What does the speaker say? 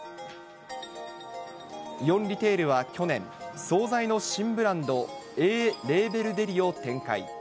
イオンリテールは去年、総菜の新ブランド、Ａレーベルデリを展開。